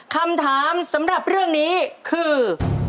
คำถามสำหรับเรื่องนี้คือ